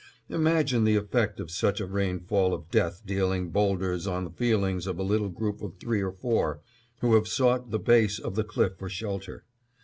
Imagine the effect of such a rainfall of death dealing bowlders on the feelings of a little group of three or four, who have sought the base of the cliff for shelter.